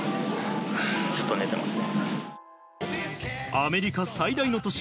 アメリカ最大の都市